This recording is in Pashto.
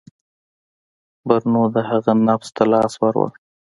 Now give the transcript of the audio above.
برونو د هغه نبض ته لاس ووړ.